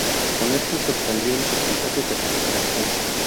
Con esto se obtendría el porcentaje de recuperación.